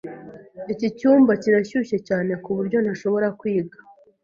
Iki cyumba kirashyushye cyane kuburyo ntashobora kwiga.